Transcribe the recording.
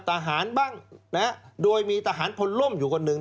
ตาหารบ้างนะโดยมีตาหารผลร่มอยู่กว่าหนึ่ง